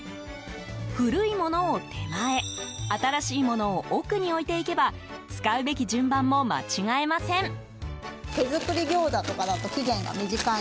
古いものを手前新しいものを奥に置いていけば使うべき順番も間違えません。